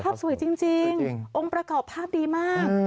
ภาพสวยจริงองค์ประกอบภาพดีมาก